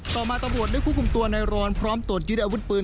ต่อมาตะบวดด้วยควบคุมตัวไนรอนพร้อมตรวจยืดอาวุธปืน